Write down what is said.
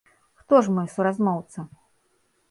Хто ж мой суразмоўца?